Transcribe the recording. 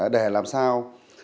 để làm sao